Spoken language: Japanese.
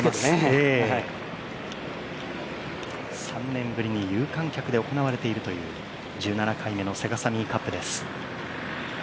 ３年ぶりに有観客で行われているという１７回目のセガサミーカップです。